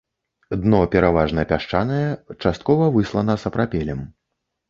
Дно пераважна пясчанае, часткова выслана сапрапелем.